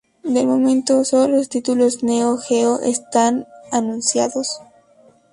De momento, sólo los títulos Neo-Geo están anunciados.